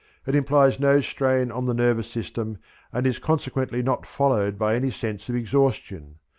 It implies no strain on the nervous system and is consequently not followed by any sense of exhaustion.